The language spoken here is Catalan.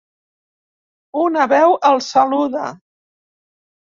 Una veu el saluda.